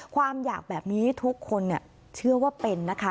ความอยากแบบนี้ทุกคนเชื่อว่าเป็นนะคะ